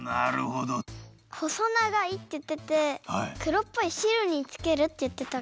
ほそながいっていっててくろっぽいしるにつけるっていってた。